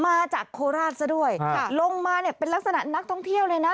มาจากโคราชซะด้วยค่ะลงมาเนี่ยเป็นลักษณะนักท่องเที่ยวเลยนะ